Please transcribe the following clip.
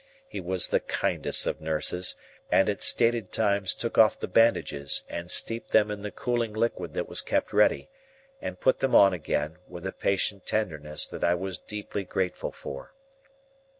He was the kindest of nurses, and at stated times took off the bandages, and steeped them in the cooling liquid that was kept ready, and put them on again, with a patient tenderness that I was deeply grateful for.